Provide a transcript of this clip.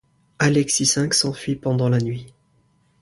Alexis V s'enfuit pendant la nuit.